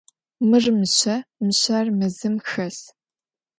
Mır mışse, mışser mezım xes.